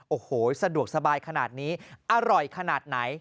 โอ้โหสะดวกสบายขนาดนี้อร่อยขนาดไหน